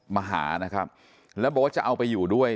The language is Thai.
มาหานะครับแล้วบอกว่าจะเอาไปอยู่ด้วย